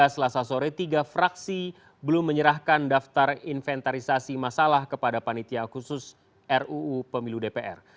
selasa sore tiga fraksi belum menyerahkan daftar inventarisasi masalah kepada panitia khusus ruu pemilu dpr